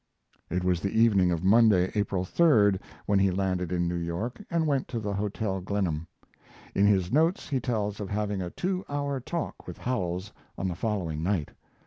It was the evening of Monday, April 3d, when he landed in New York and went to the Hotel Glenham. In his notes he tells of having a two hour talk with Howells on the following night.